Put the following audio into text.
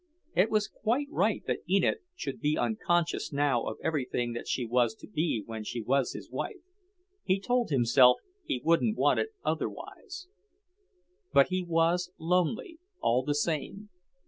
It was quite right that Enid should be unconscious now of everything that she was to be when she was his wife. He told himself he wouldn't want it otherwise. But he was lonely, all the same.